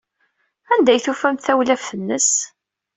Anda ay tufamt tawlaft-nnes?